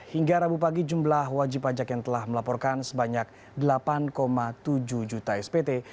hingga rabu pagi jumlah wajib pajak yang telah melaporkan sebanyak delapan tujuh juta spt